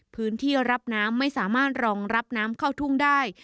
พื้นที่รับน้ำไม่สามารถรองรับน้ำเข้าทุ่งได้